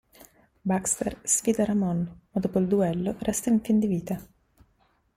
Baxter sfida Ramon ma dopo il duello resta in fin di vita.